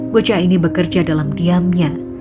bocah ini bekerja dalam diamnya